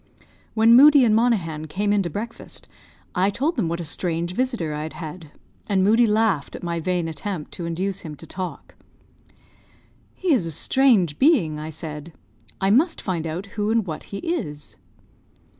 When Moodie and Monaghan came in to breakfast, I told them what a strange visitor I had had; and Moodie laughed at my vain attempt to induce him to talk. "He is a strange being," I said; "I must find out who and what he is."